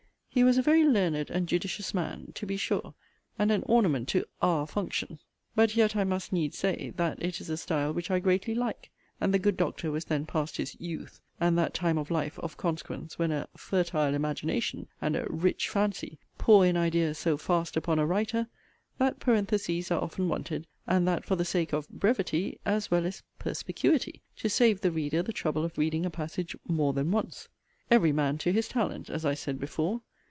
He was a very learned and judicious man, to be sure, and an ornament to 'our function': but yet I must needs say, that it is a style which I greatly like; and the good Doctor was then past his 'youth,' and that time of life, of consequence, when a 'fertile imagination,' and a 'rich fancy,' pour in ideas so fast upon a writer, that parentheses are often wanted (and that for the sake of 'brevity,' as well as 'perspicuity') to save the reader the trouble of reading a passage 'more than once.' Every man to his talent, (as I said before.)